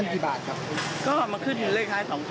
อันนี้มันไม่ค่อยเนียน